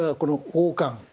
王冠。